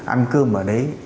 ăn cơm ở đấy